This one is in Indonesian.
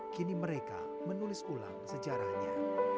kini mereka menulis ulang sejarahnya